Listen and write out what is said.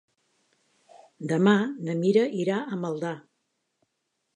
Demà na Mira irà a Maldà.